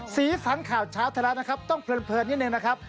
สีสันข่าวเช้าไทยรัฐนะครับต้องเพลินนิดนึงนะครับ